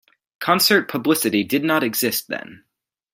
Concert publicity did not exist then.